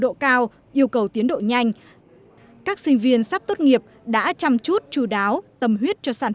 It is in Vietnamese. độ cao yêu cầu tiến độ nhanh các sinh viên sắp tốt nghiệp đã chăm chút chú đáo tâm huyết cho sản